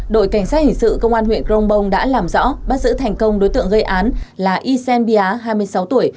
đội cảnh sát hình sự công an huyện crong bông đã làm rõ bắt giữ thành công đối tượng gây án là ysen bia hai mươi sáu tuổi